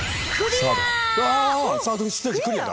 うわサードステージクリアだ。